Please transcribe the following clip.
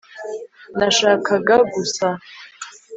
nashakaga gusa